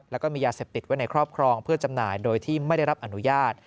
แล้วก็มียาเสพติดไว้ในครอบครองเพื่อจำหน่ายโดยที่ไม่ได้รับอนุญาต